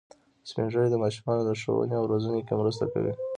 سپین ږیری د ماشومانو د ښوونې او روزنې کې مرسته کوي